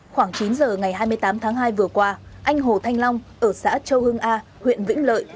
khoảng chín giờ ngày hai mươi tám tháng hai vừa qua anh hồ thanh long ở xã châu hưng a huyện vĩnh lợi